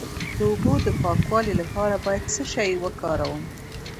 د اوبو د پاکوالي لپاره باید څه شی وکاروم؟